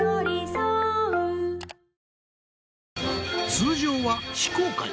通常は非公開。